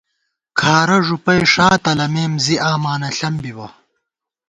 کھارہ ݫُپَئ ݭا تلَمېم ، زی آمانہ ݪم بِبہ